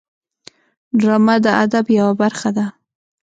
ډرامه د ادب یوه برخه ده